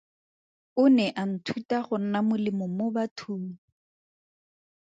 O ne a nthuta go nna molemo mo bathong.